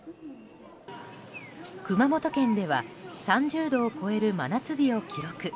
熊本県では３０度を超える真夏日を記録。